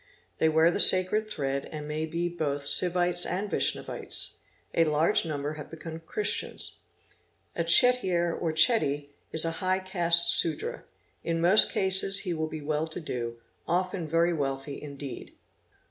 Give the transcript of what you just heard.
They wear the sacred thread and may be both Sivites and Vaishnavites. A large number have become Christians. A Chettiar or Chetty is a high caste Sudra, in most cases he will be well to do, often very wealthy indeed.